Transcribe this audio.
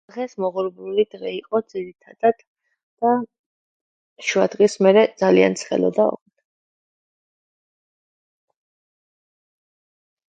დღეს მოღრუბლული დღე იყო ძირითადად და შუადღის მერე ძალიან ცხელოდა.